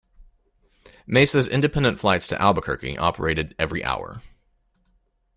Mesa's independent flights to Albuquerque operated every hour.